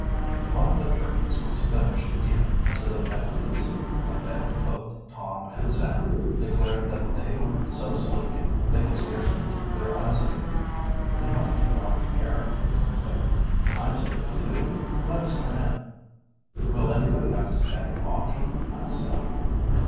One of the turkeys was finished even to the neck piece, and then both Tom and Sam declared that they were so sleepy they could scarcely keep their eyes open. "It must be the mountain air," said Dick. "I'm sleepy, too. Let us turn in." "Will anybody have to stand watch?" asked Sam.